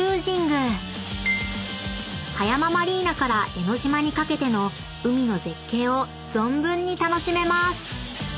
［葉山マリーナから江ノ島にかけての海の絶景を存分に楽しめます］